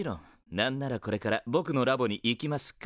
何ならこれからぼくのラボに行きますか？